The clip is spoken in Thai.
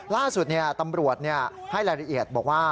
ล่าสุดตำรวจให้รายละเอียดบอกว่า